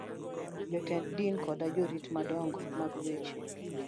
Jotend din koda jorit madongo mag weche